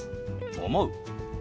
「思う」。